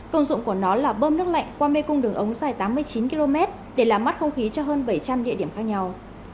công dụng của nó là bơm nước lạnh qua mê cung đường ống dài tám mươi chín km để làm mắt không khí cho hơn bảy trăm linh địa điểm khác nhau